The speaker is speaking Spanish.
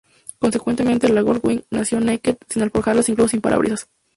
Consecuentemente, la Gold Wing nació naked, sin alforjas incluso sin parabrisas.